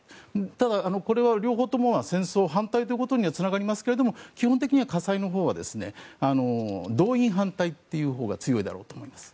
ただこの両方は戦争反対ということにはつながりますが基本的には火災のほうは動員反対というほうが強いだろうと思います。